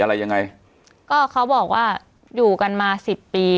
อะไรยังไงก็เขาบอกว่าอยู่กันมาสิบปี